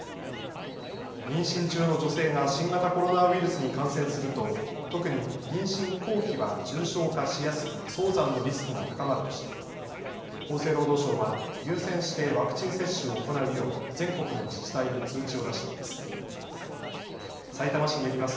妊娠中の女性が新型コロナウイルスに感染すると、特に妊娠後期は重症化しやすく、早産のリスクが高まるとして、厚生労働省は優先してワクチン接種を行うよう、全国の自治体に通知を出しています。